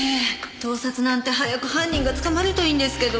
早く犯人が捕まるといいんですけど。